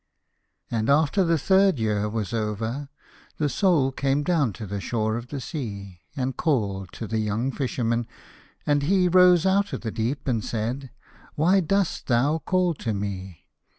And after the third year was over, the Soul came down to the shore of the sea, and called to the young Fisherman, and he rose out of the deep and said, " Why dost thou call to me